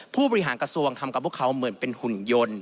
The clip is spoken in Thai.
ผู้บริหารกระทรวงทำกับพวกเขาเหมือนเป็นหุ่นยนต์